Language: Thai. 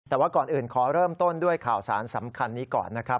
แต่ว่าก่อนอื่นขอเริ่มต้นด้วยข่าวสารสำคัญนี้ก่อนนะครับ